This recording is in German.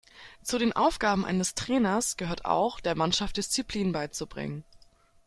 Zu den Aufgaben eines Trainers gehört auch, der Mannschaft Disziplin beizubringen.